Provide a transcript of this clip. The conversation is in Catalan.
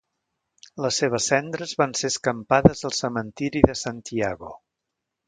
Les seves cendres van ser escampades al cementiri de Santiago.